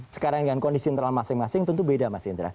sekarang dengan kondisi internal masing masing tentu beda mas indra